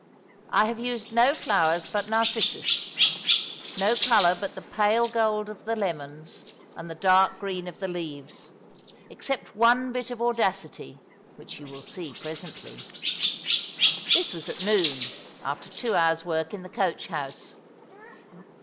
I have used no flowers but narcissus ; no colour but the pale gold of the lemons and the dark green of the leaves ; except one bit of audacity which you will see presently." This was at noon, after two hours' work in the coach house.